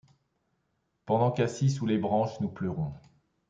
Pendant qu'assis sous les branches, Nous pleurons